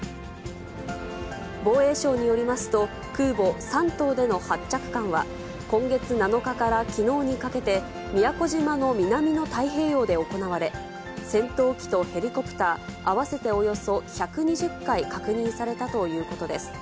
防衛省によりますと、空母、山東での発着艦は、今月７日からきのうにかけて、宮古島の南の太平洋で行われ、戦闘機とヘリコプター、合わせておよそ１２０回確認されたということです。